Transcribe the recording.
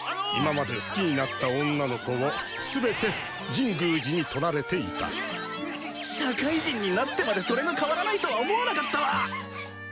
今まで好きになった女の子をすべて神宮寺に取られていた社会人になってまでそれが変わらないとは思わなかったわ！